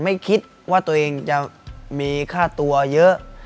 ไม่คิดว่าตัวเองจะมีค่าตัวเยอะ